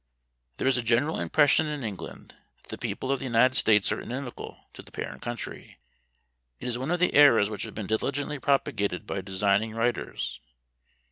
There is a general impression in England, that the people of the United States are inimical to the parent country. It is one of the errors which have been diligently propagated by designing writers.